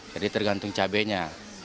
jadi tergantung cabenya